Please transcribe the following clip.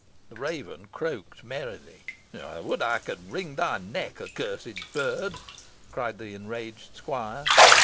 The raven croaked merrily. "Would I could wring thy neck, accursed bird!" cried the enraged squire.